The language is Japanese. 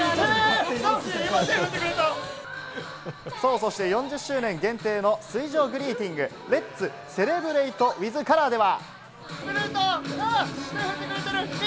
そして４０周年限定の水上グリーティング、レッツ・セレブレイト・ウィズ・カラーでは。